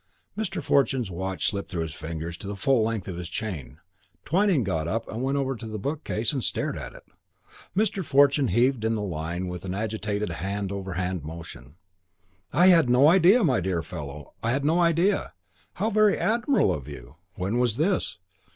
Mr. Fortune's watch slipped through his fingers to the full length of his chain. Twyning got up and went over to a bookcase and stared at it. Mr. Fortune heaved in the line with an agitated hand over hand motion. "I'd no idea! My dear fellow, I'd no idea! How very admirable of you! When was this?